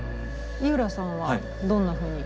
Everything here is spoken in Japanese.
井浦さんはどんなふうに？